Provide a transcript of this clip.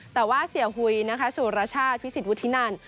แต่ว่าเสียหุยสูรชาติภิสิตวุฒินาน